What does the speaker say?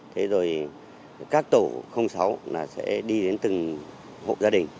thế rồi các tổ sáu sẽ đi đến từng hộ gia đình